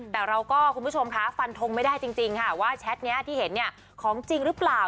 แต่เราก็คุณผู้ชมคะฟันทงไม่ได้จริงค่ะว่าแชทนี้ที่เห็นเนี่ยของจริงหรือเปล่า